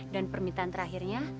dan permintaan terakhirnya